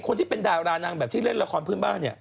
คนที่เป็นดารานางแบบที่เล่นละครพื้นบ้านเนี่ย